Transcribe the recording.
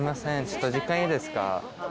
ちょっとお時間いいですか？